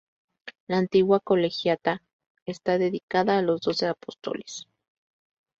La antigua colegiata está dedicado a los doce Apóstoles.